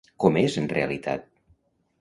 Com és en realitat?